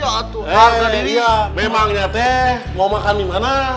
karena diri memangnya mau makan dimana